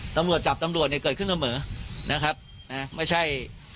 ตำรวจจับตำรวจเนี่ยเกิดขึ้นเสมอนะครับนะไม่ใช่